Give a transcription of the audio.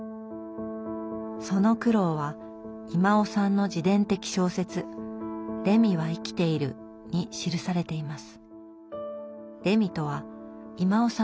その苦労は威馬雄さんの自伝的小説「レミは生きている」に記されています。